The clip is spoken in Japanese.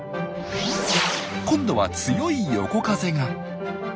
今度は強い横風が。